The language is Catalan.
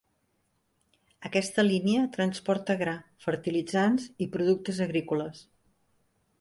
Aquesta línia transporta gra, fertilitzants i productes agrícoles.